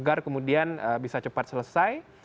agar kemudian bisa cepat selesai